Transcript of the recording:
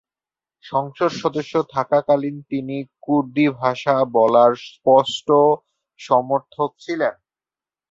সংসদ সদস্য থাকাকালীন তিনি কুর্দি ভাষা বলার স্পষ্ট সমর্থক ছিলেন।